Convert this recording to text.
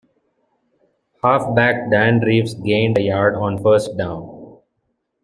Halfback Dan Reeves gained a yard on first down.